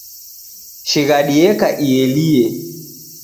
Shighadi eka ieliye